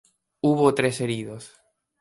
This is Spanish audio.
Hubo tres heridos.